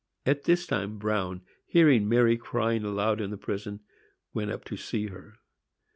At this time Bruin, hearing Mary crying aloud in the prison, went up to see her.